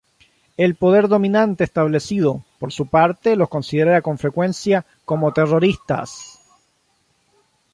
El poder dominante establecido, por su parte, los considera con frecuencia como terroristas.